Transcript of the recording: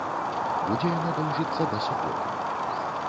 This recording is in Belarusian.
Будзе яно доўжыцца да суботы.